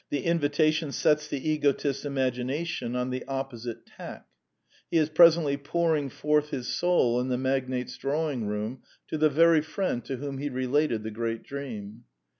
The invitation sets the egotist's imagination on the opposite tack: he is presently pouring forth his soul in the magnate's drawing room to the very friend to whom he related the great dream.